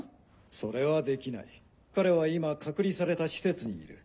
それはできない彼は今隔離された施設にいる。